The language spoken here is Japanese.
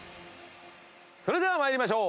それでは参りましょう。